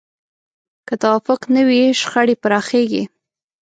که توافق نه وي، شخړې پراخېږي.